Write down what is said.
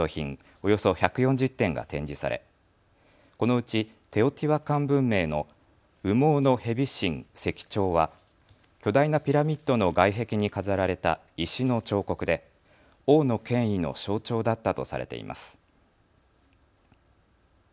およそ１４０点が展示され、このうちテオティワカン文明の羽毛の蛇神石彫は巨大なピラミッドの外壁に飾られた石の彫刻で王の権威の象徴だったとされています。